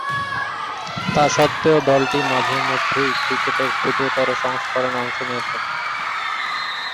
তাস্বত্ত্বেও দলটি মাঝে-মধ্যেই ক্রিকেটের ক্ষুদ্রতর সংস্করণে অংশ নিয়ে থাকে।